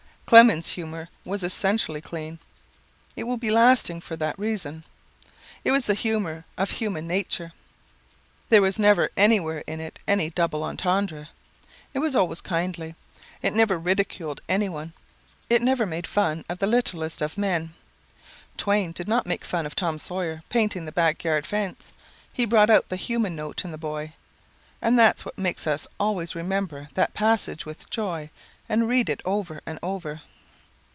Clemens humor was essentially clean. It will be lasting for that reason. It was the humor of human nature. There was never anywhere in it any double entendre. It was always kindly. It never ridiculed anyone. It never made fun of the littleness of men. Twain did not make fun of Tom Sawyer painting the back yard fence. He brought out the human note in the boy. And that's what makes us always remember that passage with joy and read it over and over."